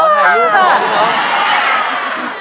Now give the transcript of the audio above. ขอถ่ายรูปค่ะ